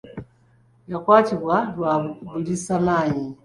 Yakwatiddwa lwa buliisamaanyi.